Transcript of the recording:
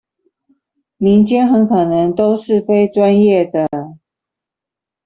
民間很可能都是非專業的